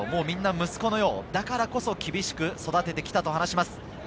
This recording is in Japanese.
みんな息子のよう、だからこそ厳しく育ててきたと話します。